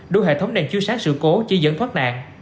đối hệ thống đèn chiếu sáng sự cố chi dẫn thoát nạn